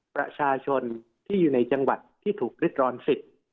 ประชาชนที่อยู่ในจังหวัดที่ถูกริดร้อนสิทธิ์